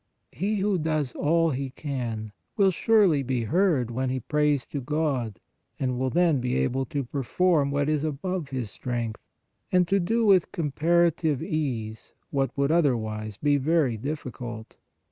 He who does all he can, will surely be heard when he prays to God and will then be able to perform what is above his strength, and to do with comparative ease what would otherwise be very difficult.